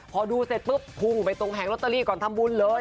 พอดูเสร็จปุ๊บพุ่งไปตรงแผงลอตเตอรี่ก่อนทำบุญเลย